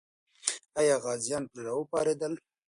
آیا غازیان پرې راوپارېدل؟